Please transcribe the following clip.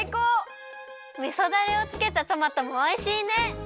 みそダレをつけたトマトもおいしいね！